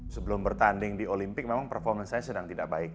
sebelum bertanding di olimpik memang performance saya sedang tidak baik